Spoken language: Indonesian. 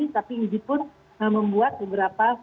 tapi idi pun membuat beberapa